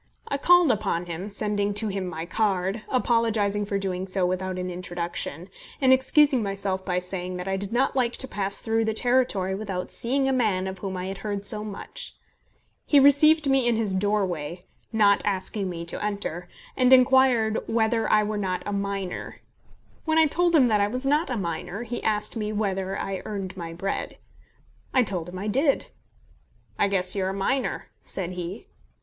I called upon him, sending to him my card, apologising for doing so without an introduction, and excusing myself by saying that I did not like to pass through the territory without seeing a man of whom I had heard so much. He received me in his doorway, not asking me to enter, and inquired whether I were not a miner. When I told him that I was not a miner, he asked me whether I earned my bread. I told him I did. "I guess you're a miner," said he.